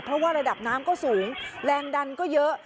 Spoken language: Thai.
เพราะว่าระดับน้ำก็สูงแรงดันก็เยอะ